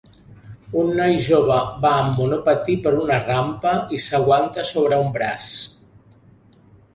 Un noi jove va amb monopatí per una rampa i s'aguanta sobre un braç.